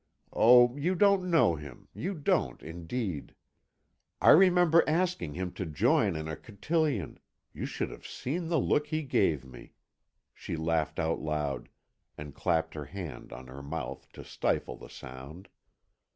Oh, you don't know him, you don't indeed. I remember asking him to join in a cotillon; you should have seen the look he gave me!" She laughed out loud, and clapped her hand on her mouth to stifle the sound.